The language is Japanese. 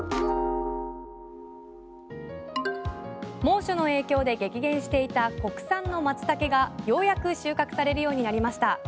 猛暑の影響で激減していた国産のマツタケがようやく収穫されるようになりました。